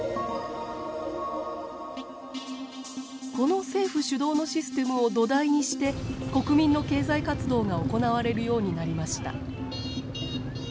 この政府主導のシステムを土台にして国民の経済活動が行われるようになりました。